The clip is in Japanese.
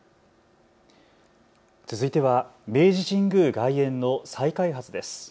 続いては明治神宮外苑の再開発です。